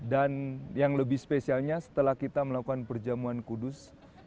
dan yang lebih spesialnya setelah kita melakukan perjamuan kudus